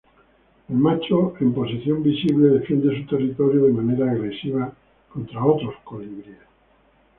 El macho en posición visible defiende su territorio de manera agresiva contra otros colibríes.